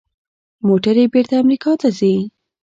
موټرې بیرته امریکا ته ځي.